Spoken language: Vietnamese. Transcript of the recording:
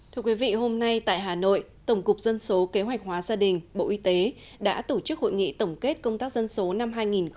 thưa quý vị hôm nay tại hà nội tổng cục dân số kế hoạch hóa gia đình bộ y tế đã tổ chức hội nghị tổng kết công tác dân số năm hai nghìn một mươi chín